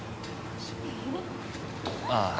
ああ。